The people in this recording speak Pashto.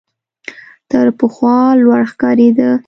تر پخوا لوړ ښکارېده .